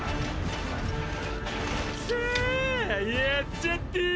さぁやっちゃってぇ！